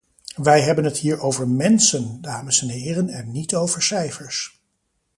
Wij hebben het hier over mensen, dames en heren, en niet over cijfers.